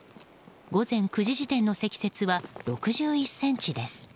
午前９時時点の積雪は６１ｃｍです。